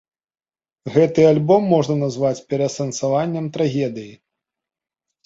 Гэты альбом можна назваць пераасэнсаваннем трагедыі.